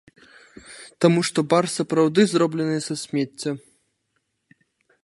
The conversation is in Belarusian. Таму што бар сапраўды зроблены са смецця.